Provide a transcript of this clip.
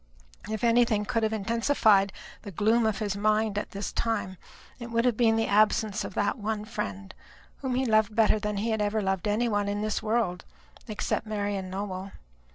If anything could have intensified the gloom of his mind at this time it would have been the absence of that one friend, whom he loved better than he had ever loved any one in this world, except Marian Nowell.